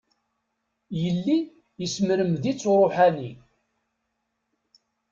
Yelli yesmermed-itt uṛuḥani.